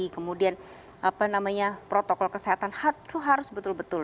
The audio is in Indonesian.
kemudian protokol kesehatan itu harus betul betul